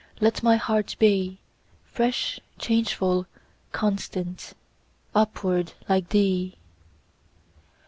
Let my heart be Fresh, changeful, constant, Upward, like thee!